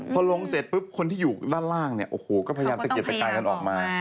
พอลงเสร็จคนที่อยู่ด้านล่างก็พยานเกียรติกายนั้นออกมา